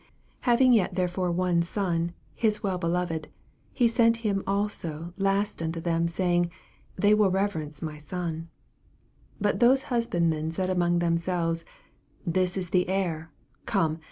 6 Having yet therefore one son, his well beloved, he sent him also last unto them, saying, They will rever ence my son. 7 But those husbandmen said among themselves, This is the heir; come.